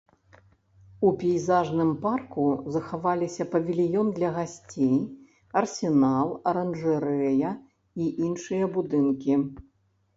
У пейзажным парку захаваліся павільён для гасцей, арсенал, аранжарэя і іншыя будынкі.